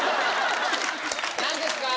何ですか？